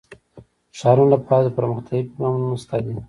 د ښارونو لپاره دپرمختیا پروګرامونه شته دي.